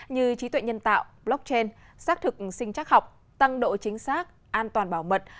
như trí tuệ nhân tạo blockchain xác thực sinh chắc học tăng độ chính xác an toàn bảo mật